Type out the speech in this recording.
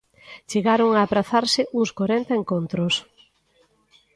Chegaron a aprazarse uns corenta encontros.